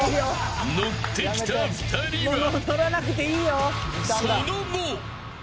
のってきた２人はその後も。